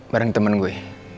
bareng temen gue